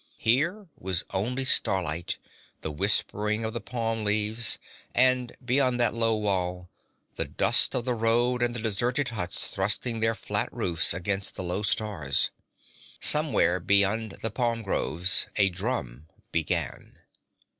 Here was only starlight, the whispering of the palm leaves, and beyond that low wall, the dust of the road and the deserted huts thrusting their flat roofs against the low stars. Somewhere beyond the palm groves a drum began.